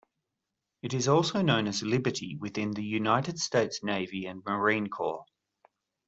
It is also known as "liberty" within the United States Navy and Marine Corps.